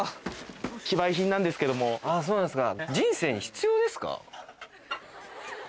あっそうなんですか。